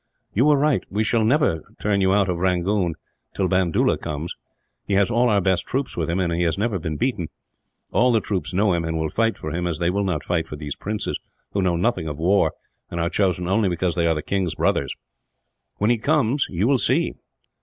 "You were right. We shall never turn you out of Rangoon, till Bandoola comes. He has all our best troops with him, and he has never been beaten. All the troops know him, and will fight for him as they will not fight for these princes who know nothing of war, and are chosen only because they are the king's brothers. When he comes, you will see."